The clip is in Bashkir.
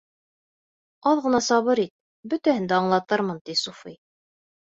— Аҙ ғына сабыр ит, бөтәһен дә аңлатырмын, — ти суфый.